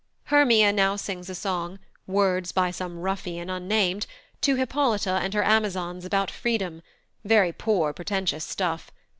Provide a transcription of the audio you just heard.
Hermia now sings a song, words by some ruffian unnamed, to Hippolyta and her amazons about freedom; very poor, pretentious stuff.